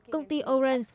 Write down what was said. công ty orange